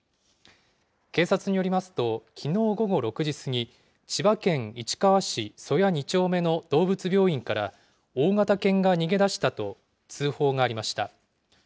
警察によりますと、きのう午後６時過ぎ、千葉県市川市曽谷２丁目の動物病院から、大型犬が逃げ出したと通報がありました。